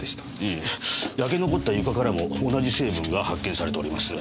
焼け残った床からも同じ成分が発見されております。